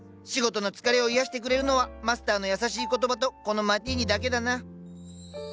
仕事の疲れを癒やしてくれるのはマスターの優しい言葉とこのマティーニだけだな。